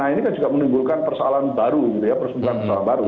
nah ini kan juga menimbulkan persoalan baru gitu ya persoalan persoalan baru